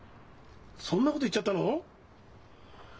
そんなこと言っちゃったの？